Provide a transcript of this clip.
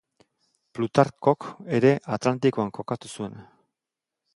Plutarkok ere Atlantikoan kokatu zuen.